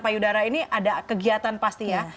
payudara ini ada kegiatan pasti ya